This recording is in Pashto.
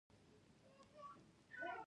و رحمان ته پېښه مه کړې خدايه هسې رنگ بلا